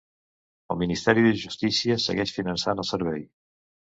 El ministeri de justícia segueix finançant el servei.